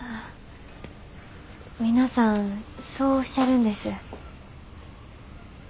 皆さんそうおっしゃるんです。